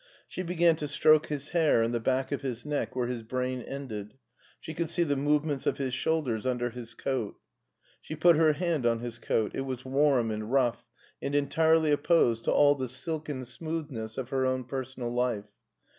She began to stroke his hair and the back of his neck where his brain ended; she could see the movements of his shoulders under his coat. She put her hand on his coat : it was warm and rough and entirely opposed to all the silken smoothness of her own personal life.